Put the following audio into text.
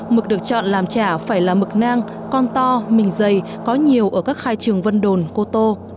mực được chọn làm chả phải là mực nang con to mình dày có nhiều ở các khai trường vân đồn cô tô